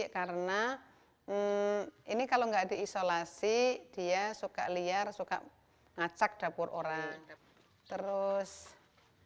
karena ini kalau enggak ada isolasi dia suka liar suka ngacak dapur orang orang yang mungkin tidak suka lancar atau ngelajari tempatnya karena ini kalau tidak ada isolasi dia suka liar suka ngacak dapur orang lain